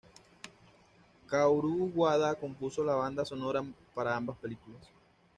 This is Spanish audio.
Kaoru Wada compuso la banda sonora para ambas películas.